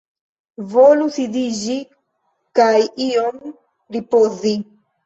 Volu sidiĝi kaj iom ripozi.